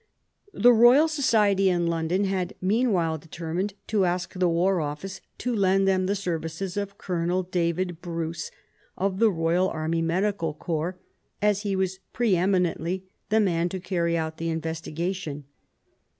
The Eoyal Society in London had meanwhile determined to ask the War Office to lend them the services of Colonel David Bruce, of the Royal Army Medical Corps, as he was pre eminently the man to carry out the investigation.